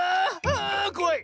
あこわい！